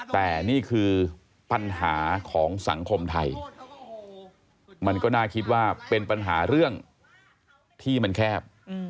แต่นี่คือปัญหาของสังคมไทยมันก็น่าคิดว่าเป็นปัญหาเรื่องที่มันแคบ